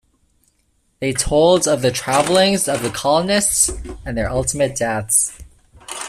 They told of the travelings of the colonists and their ultimate deaths.